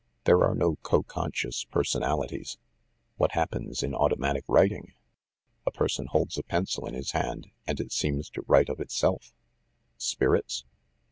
There are no co conscious personalities. What happens in 'automatic writing'? A person holds a pencil in his hand, and it seems to write of itself. Spirits?